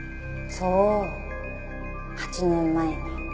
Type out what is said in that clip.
そう８年前に。